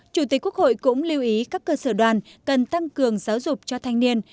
chủ tịch quốc hội cũng lưu ý các cơ sở đoàn cần tăng cường giáo dục cho thanh niên